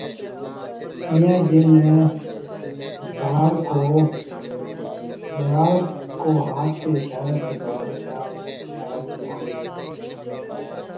میاں جی نے ضرار کو ہاتھ کے اشارے سے بیٹھنے کا اشارہ کیا